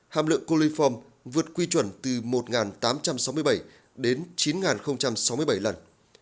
hàm lượng coliform vượt quy chuẩn từ một tám trăm sáu mươi bảy đến chín sáu mươi bảy lần